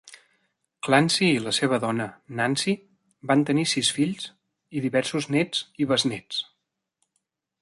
Clancy i la seva dona, Nancy, van tenir sis fills i diversos néts i besnéts.